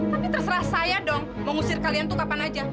tapi terserah saya dong mengusir kalian tuh kapan aja